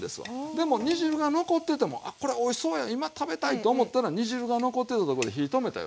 でも煮汁が残っててもあこれおいしそうや今食べたいと思ったら煮汁が残ってたとこで火止めたらよろしい。